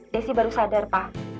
desi baru sadar pa